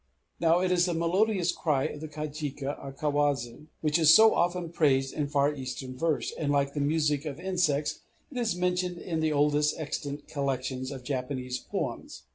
Now it is the melodious cry of the kajika, or kawazu, which is so often praised in far Eastern verse; and, like the music of insects, it is mentioned in the oldest extant collections of Japanese poems.